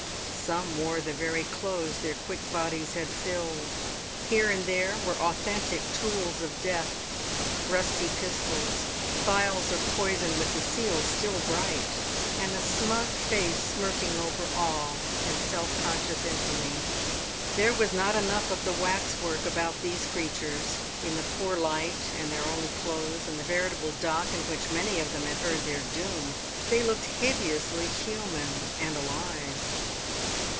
Some wore the very clothes their quick bodies had filled; here and there were authentic tools of death, rusty pistols, phials of poison with the seals still bright, and a smug face smirking over all in self conscious infamy. There was not enough of the waxwork about these creatures; in the poor light, and their own clothes, and the veritable dock in which many of them had heard their doom, they looked hideously human and alive.